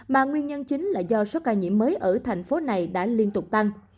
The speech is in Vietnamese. mà nguyên nhân chính là do số ca nhiễm mới ở thành phố này đã liên tục tăng